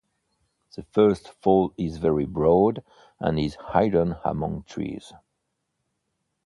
The first fall is very broad and is hidden among trees.